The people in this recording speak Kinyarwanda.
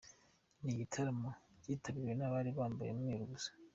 Ni igitaramo kitabiriwe n'abari bambaye umweru gusa.